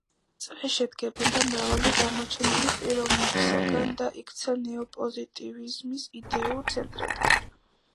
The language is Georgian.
წრე შედგებოდა მრავალი გამოჩენილი პიროვნებისაგან და იქცა ნეოპოზიტივიზმის იდეურ ცენტრად.